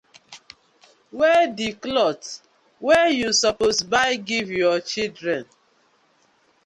Wey di clothe wey yu suppose buy giv yah children?